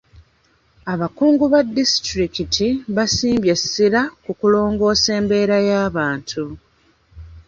Abakungu ba disitulikiti basimbye essira ku kulongoosa embeera yabantu.